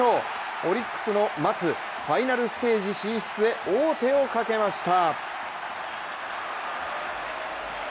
オリックスの待つファイナルステージ進出へ王手をかけました。